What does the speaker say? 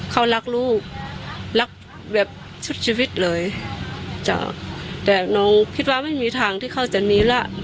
เขารักลูกรักแบบสุดชีวิตเลยจ้ะแต่น้องคิดว่าไม่มีทางที่เขาจะมีแล้ว